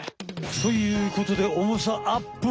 ということでおもさアップ！